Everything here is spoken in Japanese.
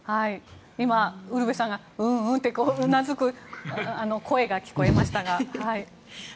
今、ウルヴェさんがうんうんとうなずく声が聞こえましたが。